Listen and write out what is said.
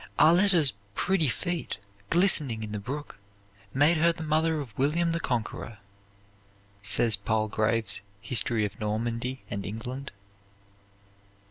"Arletta's pretty feet, glistening in the brook, made her the mother of William the Conqueror," says Palgrave's "History of Normandy and England."